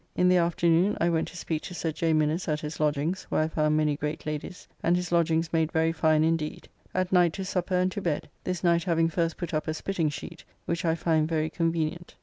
In the afternoon I went to speak to Sir J. Minnes at his lodgings, where I found many great ladies, and his lodgings made very fine indeed. At night to supper and to bed: this night having first put up a spitting sheet, which I find very convenient.